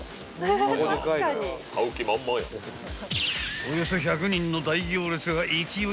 ［およそ１００人の大行列が勢い